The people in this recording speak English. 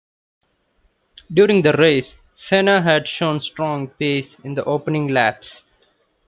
During the race, Senna had shown strong pace in the opening laps.